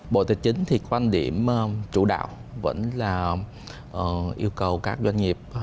bộ tài chính thì quan điểm chủ đạo vẫn là yêu cầu các doanh nghiệp